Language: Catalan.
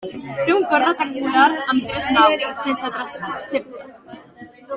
Té un cos rectangular amb tres naus, sense transsepte.